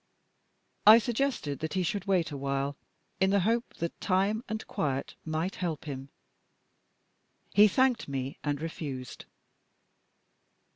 I suggested that he should wait a while, in the hope that time and quiet might help him. He thanked me, and refused.